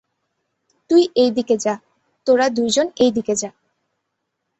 তুই এই দিকে যা, তোরা দুইজন এই দিকে যা।